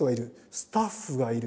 スタッフがいる。